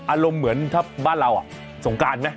อารมณ์เหมือนถ้าบ้านเราสงการไหม